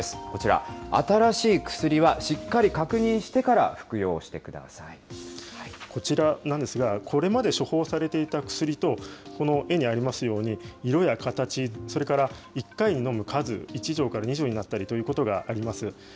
こちら、新しい薬はしっかり確認こちらなんですが、これまで処方されていた薬と、この絵にありますように、色や形、それから１回に飲む数、１錠から２錠になったりということがあります。